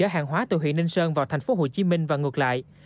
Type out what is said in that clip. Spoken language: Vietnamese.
ở hàng hóa từ huyện ninh sơn vào thành phố hồ chí minh và ngược lại